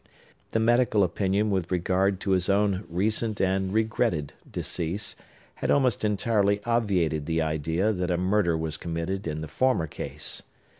The medical opinion with regard to his own recent and regretted decease had almost entirely obviated the idea that a murder was committed in the former case.